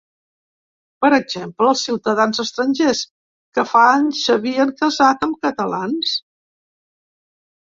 Per exemple, els ciutadans estrangers que fa anys s’havien casat amb catalans.